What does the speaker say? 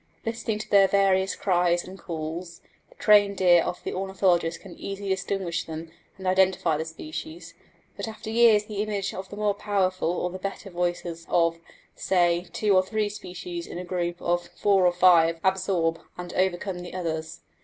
Listening to their various cries and calls, the trained ear of the ornithologist can easily distinguish them and identify the species; but after years the image of the more powerful or the better voices of, say, two or three species in a group of four or five absorb and overcome the others.